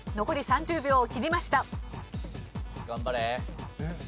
残り１０秒。